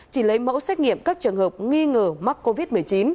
chỉ lấy mẫu xét nghiệm các trường hợp nghi ngờ mắc covid một mươi chín